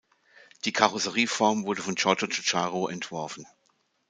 Die Karosserieform wurde von Giorgio Giugiaro entworfen.